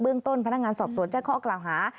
ต้นพนักงานสอบสวนแจ้งข้อกล่าวหา